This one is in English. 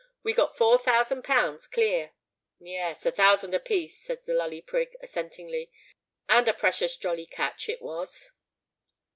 We got four thousand pounds clear——" "Yes—a thousand a piece," said the Lully Prig, assentingly: "and a precious jolly catch it was."